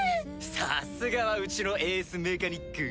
さすがはうちのエースメカニック。